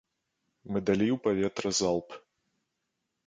Мы далі ў паветра залп.